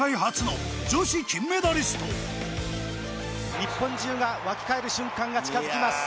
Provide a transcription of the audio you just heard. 日本中が沸き返る瞬間が近づきます。